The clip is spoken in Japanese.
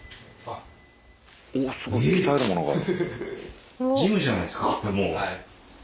おすごい鍛えるものがある。